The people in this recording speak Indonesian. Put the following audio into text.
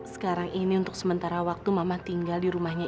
sekarang ini untuk sementara waktu mama tinggal dirumahnya